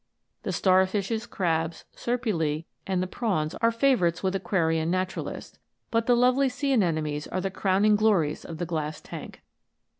The star fishes, crabs, serpulse, and the prawns are favourites with aquarian naturalists ; but the lovely sea anemones are the crowning glories of the glass tank.